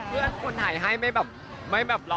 เพื่อนคนถ่ายให้ไม่แบบรอ